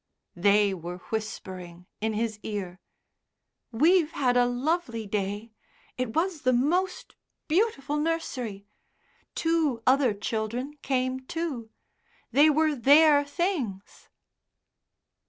They were whispering in his ear, "We've had a lovely day. It was the most beautiful nursery.... Two other children came too. They wore their things...."